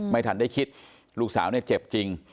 ไม่ทันได้คิดลูกสาวเนี่ยเจ็บจริง